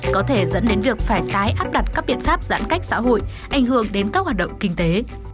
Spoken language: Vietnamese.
có thể dẫn đến việc phải tái áp đặt các biện pháp giãn cách xã hội ảnh hưởng đến các hoạt động kinh tế